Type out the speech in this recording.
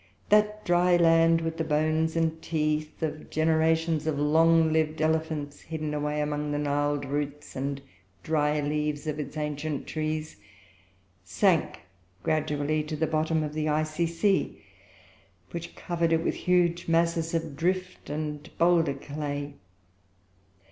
That dry land, with the bones and teeth of generations of long lived elephants, hidden away among the gnarled roots and dry leaves of its ancient trees, sank gradually to the bottom of the icy sea, which covered it with huge masses of drift and boulder clay.